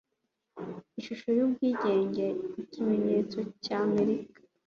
Ishusho y'Ubwigenge ni ikimenyetso cya Amerika.